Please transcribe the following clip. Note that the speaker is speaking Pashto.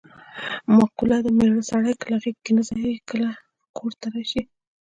مقوله ده: مېړه سړی کله غېږ کې نه ځایېږې کله ګروت ته راشي.